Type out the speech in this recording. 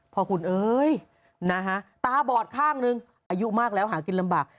พ่อคุณเอ๋ยนะฮะตาบอดข้างนึงอายุมากแล้วหากินลำบาก